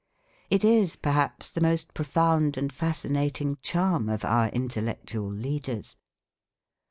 It is perhaps the most profound and fascinating charm of our intellectual leaders.